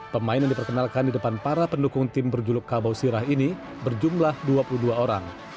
pemain yang diperkenalkan di depan para pendukung tim berjuluk kabau sirah ini berjumlah dua puluh dua orang